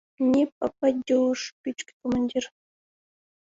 — Не попадёшь! — пӱчкӧ командир.